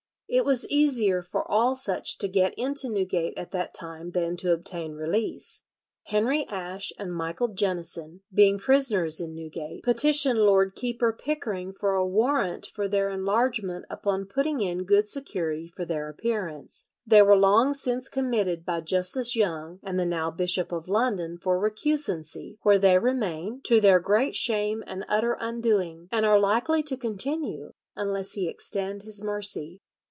It was easier for all such to get into Newgate, at that time, than to obtain release. Henry Ash and Michael Genison, being prisoners in Newgate, petition Lord Keeper Pickering for a warrant for their enlargement upon putting in good security for their appearance; "they were long since committed by Justice Young and the now Bishop of London for recusancy, where they remain, to their great shame and utter undoing, and are likely to continue, unless he extend his mercy."